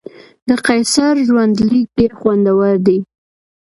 د قیصر ژوندلیک ډېر خوندور دی.